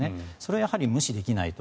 それは無視できないと。